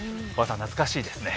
懐かしいですね。